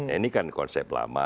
ini kan konsep lama